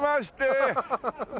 ハハハハ！